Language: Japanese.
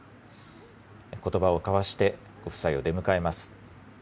ことばを交わしてご夫妻を出迎えます。